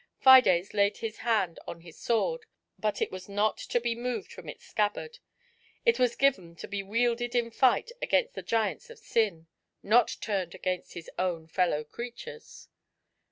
Fides laid his hand on hia sword, but it waa not to be moved from its scabbard; it waa given to be wielded in fight against the giants of sin, not turned against his own fellow creatures.